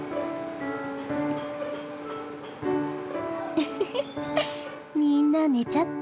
ウフフみんな寝ちゃった？